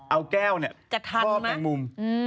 เอาแก้วเนี่ยคลอแมงมุม